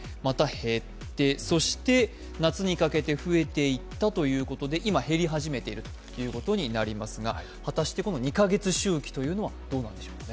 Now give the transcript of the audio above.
減って、そして夏にかけて増えていったということで今、減り始めているということになりますが果たして、この２カ月周期というのはどうなんでしょうね。